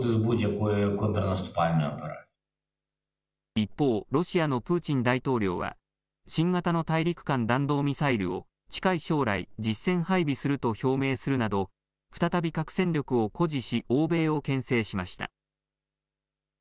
一方、ロシアのプーチン大統領は新型の大陸間弾道ミサイルを近い将来、実戦配備すると表明するなど再び核戦力を誇示し欧米をけん制しました。